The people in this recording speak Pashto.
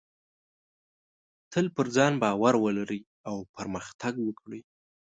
تل په ځان باور ولرئ او پرمختګ وکړئ.